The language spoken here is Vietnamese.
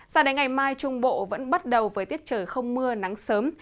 giả đánh ngày mai trung bộ vẫn bắt đầu với tiết trời không mưa nắng sớm